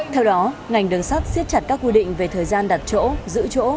theo đó ngành đường sắt siết chặt các quy định về thời gian đặt chỗ giữ chỗ